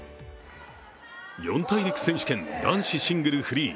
四大陸選手権の男子シングルフリー。